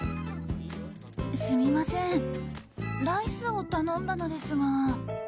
すみませんライスを頼んだのですが。